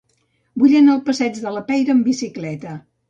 Vull anar al passeig de la Peira amb bicicleta.